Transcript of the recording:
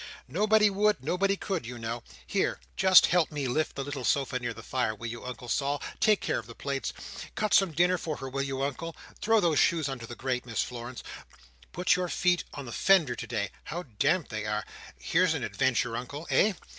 "Nobody would, nobody could, you know. Here! just help me lift the little sofa near the fire, will you, Uncle Sol—take care of the plates—cut some dinner for her, will you, Uncle—throw those shoes under the grate. Miss Florence—put your feet on the fender to dry—how damp they are—here's an adventure, Uncle, eh?